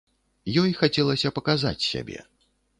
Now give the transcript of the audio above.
Ёй хацелася паказаць сябе.